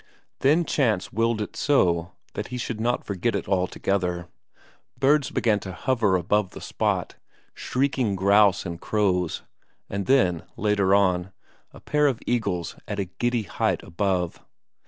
Then chance willed it so that he should not forget it altogether; birds began to hover above the spot, shrieking grouse and crows, and then, later on, a pair of eagles at a giddy height above.